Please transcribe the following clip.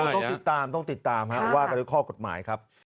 ต้องติดตามต้องติดตามว่ากันด้วยข้อกฎหมายครับ